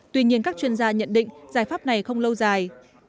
tuy nhiên các chuyên gia nhận định giải pháp này không lâu dài